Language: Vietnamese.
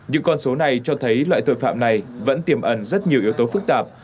những con số này cho thấy loại tội phạm này vẫn tiềm ẩn rất nhiều yếu tố phức tạp